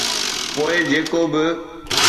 پوءِ جيڪو به.